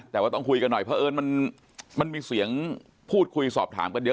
แต่ว่าต้องคุยกันหน่อยเพราะเอิญมันมีเสียงพูดคุยสอบถามกันเยอะ